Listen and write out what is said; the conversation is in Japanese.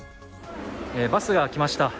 バスが来ました。